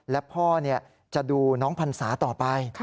และพ่อจะดูน้องพรรษาต่อไป